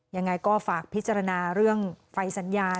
ยังไงก็ฝากพิจารณาเรื่องไฟสัญญา